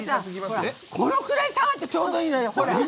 これぐらい下がってちょうどいいのよ。